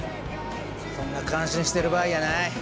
そんな感心してる場合やない。